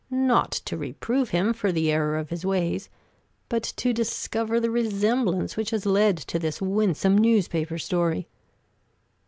Not to reprove him for the error of his ways, but to discover the resemblance which has led to this winsome newspaper story."